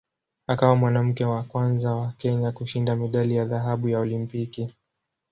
Akawa mwanamke wa kwanza wa Kenya kushinda medali ya dhahabu ya Olimpiki.